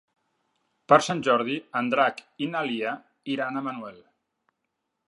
Per Sant Jordi en Drac i na Lia iran a Manuel.